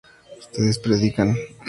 ustedes predican